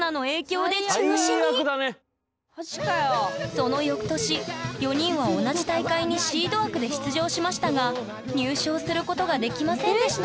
そのよくとし４人は同じ大会にシード枠で出場しましたが入賞することができませんでした